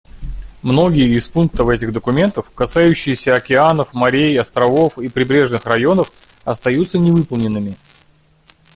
Многие из пунктов этих документов, касающиеся океанов, морей, островов и прибрежных районов, остаются невыполненными.